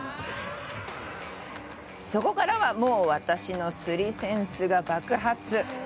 そこからは、もう私の釣りセンスが爆発！